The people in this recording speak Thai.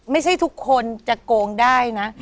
พี่น้องรู้ไหมว่าพ่อจะตายแล้วนะ